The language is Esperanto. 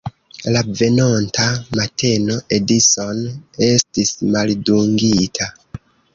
La venonta mateno Edison estis maldungita.